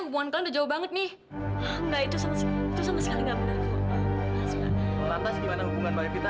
sampai jumpa di video selanjutnya